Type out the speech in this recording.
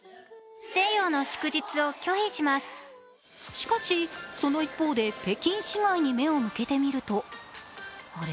しかし、その一方で北京市内に目を向けてみるとあれ？